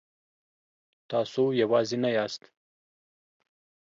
تاسو یوازې نه یاست.